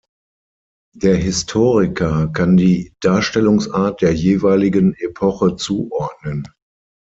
Der Historiker kann die Darstellungsart der jeweiligen Epoche zuordnen.